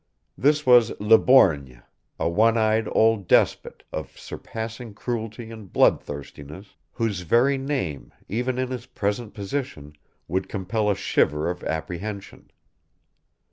This was Le Borgne, a one eyed old despot, of surpassing cruelty and bloodthirstiness, whose very name, even in his present position, would compel a shiver of apprehension.